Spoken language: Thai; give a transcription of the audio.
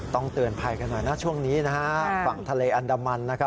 เตือนภัยกันหน่อยนะช่วงนี้นะฮะฝั่งทะเลอันดามันนะครับ